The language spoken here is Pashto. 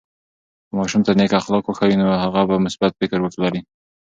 که ماشوم ته نیک اخلاق وښیو، نو هغه به مثبت فکر ولري.